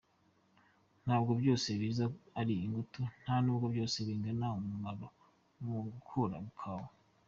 Ntabwo byose biza ari ingutu, nta n’ubwo byose binganya umumaro mu gukura kwawe.